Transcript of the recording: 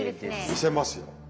見せますよ。